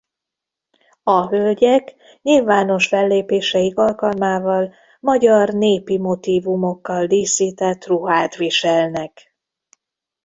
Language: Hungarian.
A hölgyek nyilvános fellépéseik alkalmával magyar népi motívumokkal díszített ruhát viselnek.